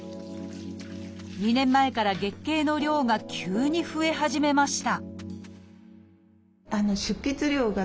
２年前から月経の量が急に増え始めました